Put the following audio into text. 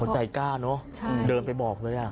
ใจกล้าเนอะเดินไปบอกเลย